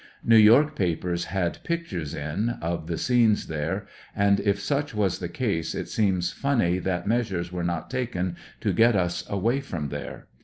New York papers had pictures in, of the scenes there, and if such was the case it seems funny that measures were not taken to get us away from there.